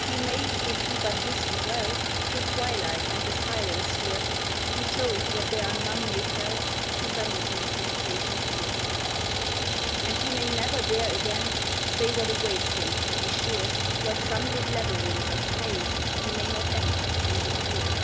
He may, if he but listen well, Through twilight and the silence here, Be told what there are none may tell To vanity's impatient ear; And he may never dare again Say what awaits him, or be sure What sunlit labyrinth of pain He may not enter and endure.